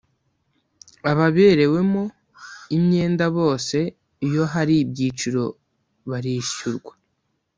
ababerewemo imyenda bose iyo hari ibyiciro barishyurwa